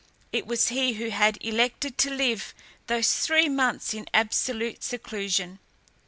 It was he who had elected to live those three months in absolute seclusion.